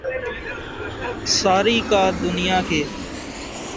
ساری کا دنیا کے